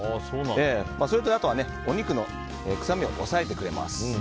それとお肉の臭みを抑えてくれます。